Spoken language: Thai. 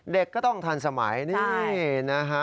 เด็กก็ต้องทันสมัยนี่นะฮะ